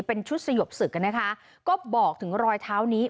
เป็นชุดสยบศึกนะคะก็บอกถึงรอยเท้านี้